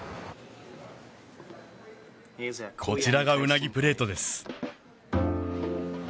こちらがウナギプレートです